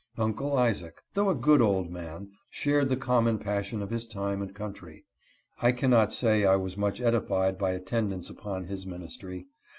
Uncle Isaac, though a good old • man, ^Shared lire common passion of his time and country. I cannot say I was much edified by attendance upon his ministry.